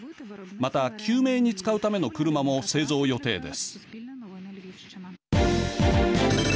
また、救命に使うための車も製造予定です。